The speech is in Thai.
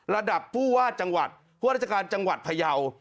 ระดับผู้ว่าจังหวัดผู้ราชการจังหวัดพยาว